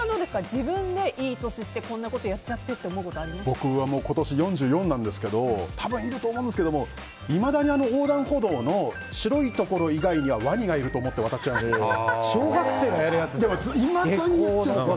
自分でいい年してこんなことやっちゃってって僕は今年４４なんですけど多分、いると思うんですけどいまだに横断歩道の白いところ以外にはワニがいると思って小学生がやるやつじゃん。